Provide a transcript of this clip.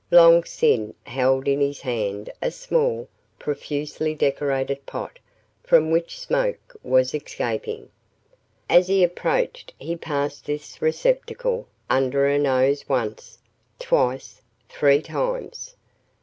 Long Sin held in his hand a small, profusely decorated pot from which smoke was escaping. As he approached he passed this receptacle under her nose once, twice, three times.